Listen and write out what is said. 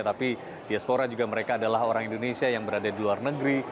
tapi diaspora juga mereka adalah orang indonesia yang berada di luar negeri